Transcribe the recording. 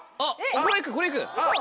あっ。